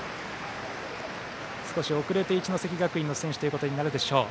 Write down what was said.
少し遅れて一関学院の選手ということになるでしょう。